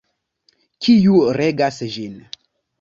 Kiu regas ĝin?